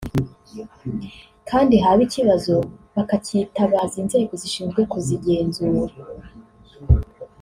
kandi haba ikibazo bakitabaza inzego zishinzwe kuzigenzura